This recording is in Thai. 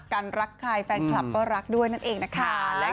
รักใครแฟนคลับก็รักด้วยนั่นเองนะคะ